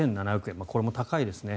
これも高いですね。